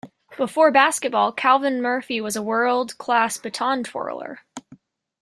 Before basketball, Calvin Murphy was a world-class baton twirler.